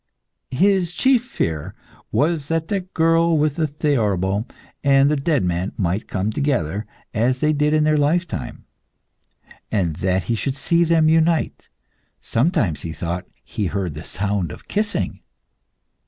His chief fear was that the girl with the theorbo and the dead man might come together, as they did in their lifetime, and that he should see them unite. Sometimes he thought he heard the sound of kissing.